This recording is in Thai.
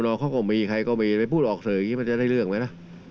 ทั้งก่อนเขาก็มีใครก็มีพูดออกเสริมันจะได้เรื่องไหมนะ